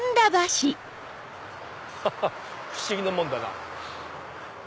ハハっ不思議なもんだな。